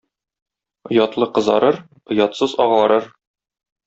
Оятлы кызарыр, оятсыз агарыр.